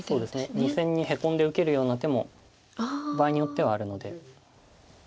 ２線にヘコんで受けるような手も場合によってはあるので。